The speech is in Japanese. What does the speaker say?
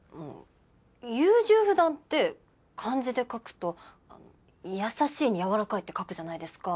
優柔不断って漢字で書くと優しいに柔らかいって書くじゃないですか？